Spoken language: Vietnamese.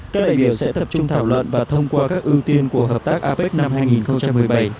các đại biểu sẽ tập trung thảo luận và thông qua các ưu tiên của hợp tác apec năm hai nghìn một mươi bảy